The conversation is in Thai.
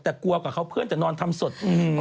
แต่กลัวกับเขาเพื่อนจะนอนทำสด